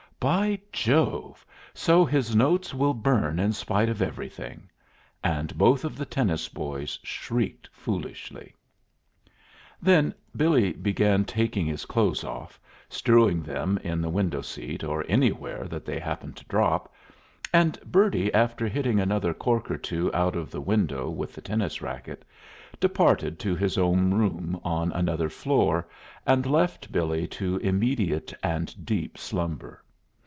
"By Jove! so his notes will burn in spite of everything!" And both of the tennis boys shrieked foolishly. Then Billy began taking his clothes off, strewing them in the window seat, or anywhere that they happened to drop; and Bertie, after hitting another cork or two out of the window with the tennis racket, departed to his own room on another floor and left Billy to immediate and deep slumber.